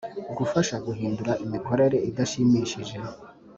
gufasha guhindura imikorere idashimishije